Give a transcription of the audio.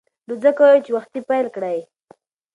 نو ځکه وایم چې وختي پیل کړئ.